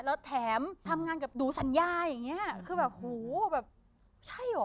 แล้วแถมทำงานกับดูสัญญาอย่างนี้